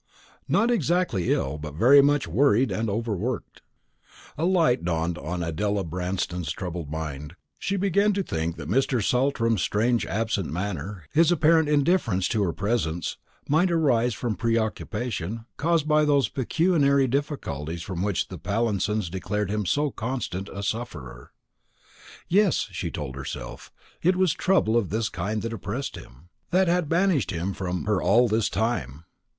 "Not exactly ill, but very much worried and overworked." A light dawned on Adela Branston's troubled mind. She began to think that Mr. Saltram's strange absent manner, his apparent indifference to her presence, might arise from preoccupation, caused by those pecuniary difficulties from which the Pallinsons declared him so constant a sufferer. Yes, she told herself, it was trouble of this kind that oppressed him, that had banished him from her all this time.